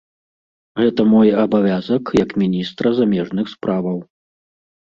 Гэта мой абавязак, як міністра замежных справаў.